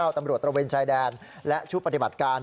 ตำรวจตระเวนชายแดนและชุดปฏิบัติการ